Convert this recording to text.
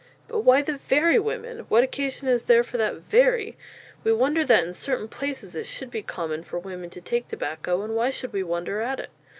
But why the very Women? What Occasion is there for that very? We wonder that in certain Places it should be common for Women to take Tabacco; and why should we wonder at it?